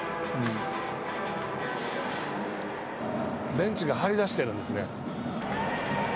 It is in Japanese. ベンチが張り出しているんですね。